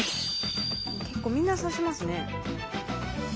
結構みんな刺しますね。